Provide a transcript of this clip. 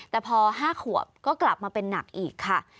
แต่พอ๕ขวบก็กลับมาเป็นหนักอีกค่ะ